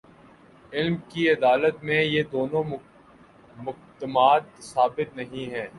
علم کی عدالت میں، یہ دونوں مقدمات ثابت نہیں ہیں۔